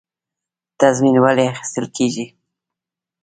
تضمین ولې اخیستل کیږي؟